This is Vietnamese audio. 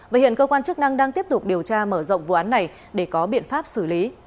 và hiện cơ quan chức năng đang tiếp tục điều tra mở rộng vụ án này để có biện pháp xử lý